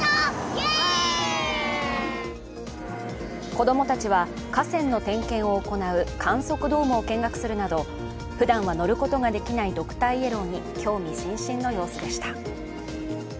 子供たちは架線の点検を行う観測ドームを見学するなどふだんは乗ることができないドクターイエローに興味津々の様子でした。